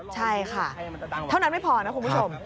ใช่ค่ะเท่านั้นไม่พอนะคุณผู้ชม